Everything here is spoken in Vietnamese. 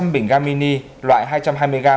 một trăm linh bình ga mini loại hai trăm hai mươi kg